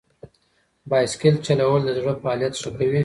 بایسکل چلول د زړه فعالیت ښه کوي.